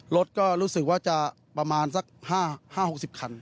รถก็รู้สึกว่าจะประมาณสัก๕๖๐คัน